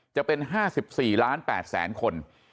จะเป็น๕๔๘๐๐๐๐๐คน